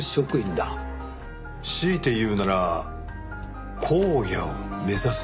強いて言うなら荒野をめざす。